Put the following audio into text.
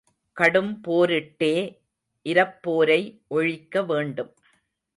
கடும் போரிட்டே இரப்போரை ஒழிக்க வேண்டும்.